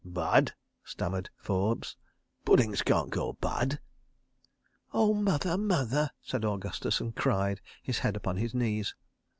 "Bad?" stammered Forbes. "Puddings can't go bad. ..." "Oh, Mother, Mother!" said Augustus, and cried, his head upon his knees.